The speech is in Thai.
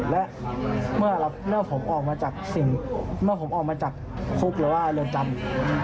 และเมื่อผมออกมาจากคุกหรือว่าเรือนจำ